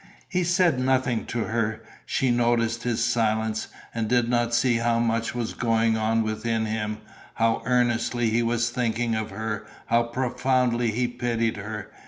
He said nothing to her. She noticed his silence and did not see how much was going on within him, how earnestly he was thinking of her, how profoundly he pitied her.